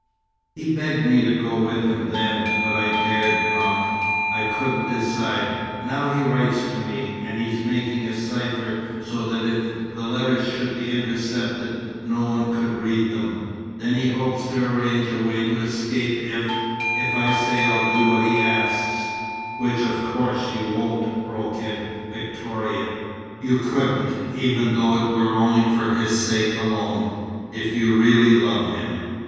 He begged me to go with him then, but I dared not. I couldn't decide. Now he writes to me, and he's making a cypher, so that if the letters should be intercepted, no one could read them. Then he hopes to arrange a way of escape if if I say I'll do what he asks." "Which, of course, you won't," broke in Victoria. "You couldn't, even though it were only for his sake alone, if you really love him.